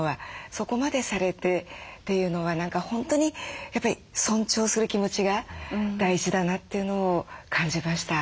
そこまでされてというのは何か本当にやっぱり尊重する気持ちが大事だなというのを感じました。